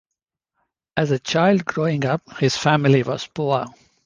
As a child growing up, his family was poor.